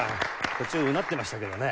途中うなってましたけどね。